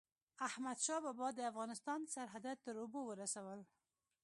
احمدشاه بابا د افغانستان سرحدات تر اوبو ورسول.